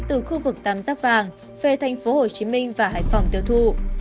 từ khu vực tam giác vàng về thành phố hồ chí minh và hải phòng tiêu thụ